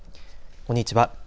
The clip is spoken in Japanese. こんにちは。